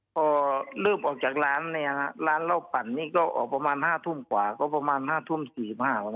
ก็เริ่มออกจากร้านนี้นะครับร้านเล่าปั่นนี้ก็ออกประมาณ๕ทุ่มกว่าก็ประมาณ๕ทุ่ม๔๕ประมาณนี้